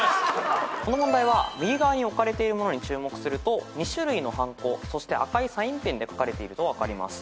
この問題は右側に置かれているものに注目すると２種類のはんこそして赤いサインペンで書かれていると分かります。